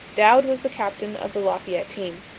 Dowd was the captain of the Lafayette team.